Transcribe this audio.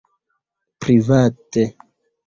private